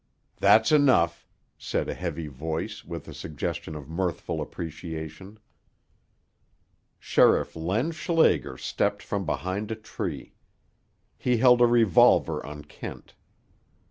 "That's enough," said a heavy voice, with a suggestion of mirthful appreciation. Sheriff Len Schlager stepped from behind a tree. He held a revolver on Kent.